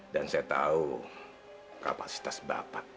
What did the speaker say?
dan saya tahu kapasitas bapak